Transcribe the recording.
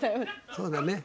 そうだね。